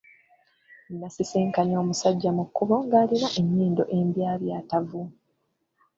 Nasisinkanye omusajja mu kkubo ng’alina ennyindo embyabyatavu.